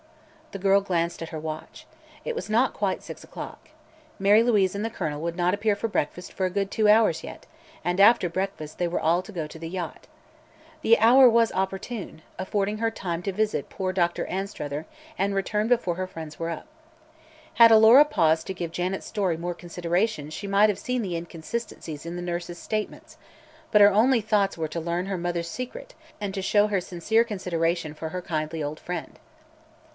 The girl glanced at her watch. It was not quite six o'clock. Mary Louise and the Colonel would not appear for breakfast for a good two hours yet and after breakfast they were all to go to the yacht. The hour was opportune, affording her time to visit poor Doctor Anstruther and return before her friends were up. Had Alora paused to give Janet's story more consideration she might have seen the inconsistencies in the nurse's statements, but her only thoughts were to learn her mother's secret and to show her sincere consideration for her kindly old friend.